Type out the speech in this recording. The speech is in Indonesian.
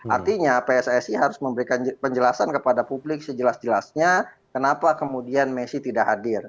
artinya pssi harus memberikan penjelasan kepada publik sejelas jelasnya kenapa kemudian messi tidak hadir